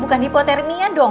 bukan hipotermia dong